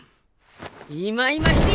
いまいましい！